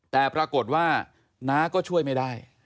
แต่ปรากฏว่าน้าก็ช่วยไม่ได้